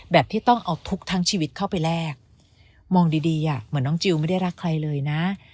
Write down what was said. ที่ต้องเอาทุกข์ทั้งชีวิตเข้าไปแลกมองดีดีอ่ะเหมือนน้องจิลไม่ได้รักใครเลยนะ